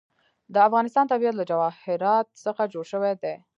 د افغانستان طبیعت له جواهرات څخه جوړ شوی دی.